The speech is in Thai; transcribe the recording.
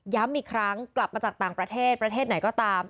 อีกครั้งกลับมาจากต่างประเทศประเทศไหนก็ตาม